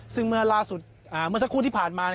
ซึ่งเมื่อสักครู่ที่ผ่านมานะครับ